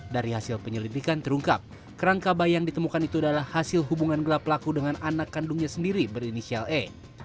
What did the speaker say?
dari hasil penyelidikan terungkap kerangka bayi yang ditemukan itu adalah hasil hubungan gelap pelaku dengan anak kandungnya sendiri berinisial e